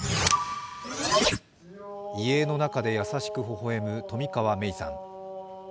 遺影の中で優しくほほえむ冨川芽生さん。